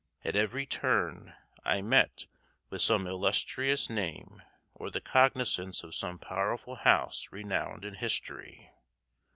At every turn I met with some illustrious name or the cognizance of some powerful house renowned in history.